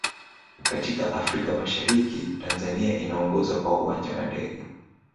katika afrika mashariki tanzania inaongoza kwa uwanja wa ndege